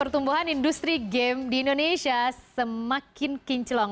pertumbuhan industri game di indonesia semakin kinclong